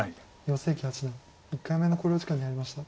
余正麒八段１回目の考慮時間に入りました。